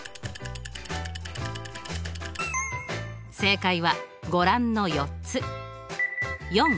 正解はご覧の４つ。